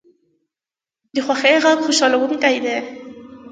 د خوښۍ غږ خوشحاله کوونکی وي